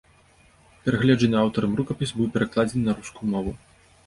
Перагледжаны аўтарам рукапіс быў перакладзены на рускую мову.